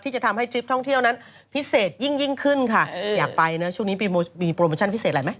จะทำให้ทริปท่องเที่ยวนั้นพิเศษยิ่งขึ้นค่ะอยากไปนะช่วงนี้มีโปรโมชั่นพิเศษอะไรไหม